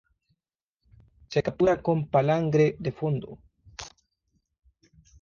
Se captura con palangre de fondo.